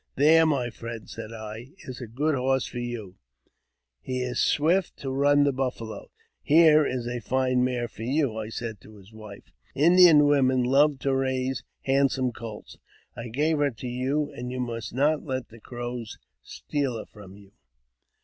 " There, my friend," said I, " is a good horse for you; he is swift to run the buffalo. Here is a fine mare for you," I said to his wife. " Indian women love to raise handsome colts. I give her to you, and you must not let the Crows steal her from you."